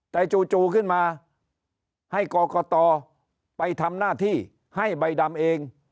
แต่จู่ขึ้นมาให้กรกตไปทำหน้าที่ให้ใบดำเอง